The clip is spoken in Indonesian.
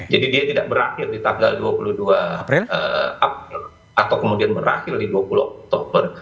jadi dia tidak berakhir di tanggal dua puluh dua april atau kemudian berakhir di dua puluh oktober